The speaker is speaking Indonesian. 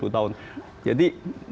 tiga puluh tahun jadi